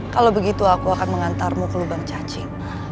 kalau begitu aku akan mengantarmu ke lubang cacing